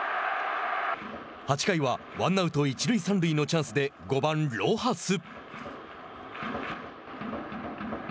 ８回はワンアウト一塁三塁のチャンスで５番ロハス。